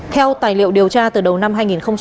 theo tài liệu điều tra từ đầu năm hai nghìn một mươi chín